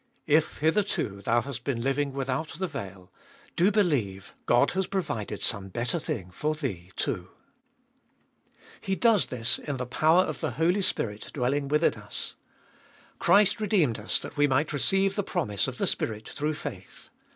If hitherto thou hast been living without the veil, do believe Bod has provided some better thing for thee too. 2. He does this in the power of the Holy Spirit dwelling within us. Christ redeemed us, that we might receive the promise of the Spirit through faith.